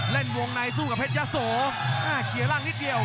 เล่นวงในสู้กับเพชรเจ้าโสอ้าวเขียนร่างนิดเดียว